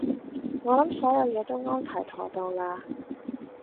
我諗所有嘢都安排妥當喇